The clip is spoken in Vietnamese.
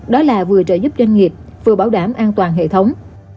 đó là vừa trợ giúp doanh nghiệp vừa bảo đảm an toàn hệ thống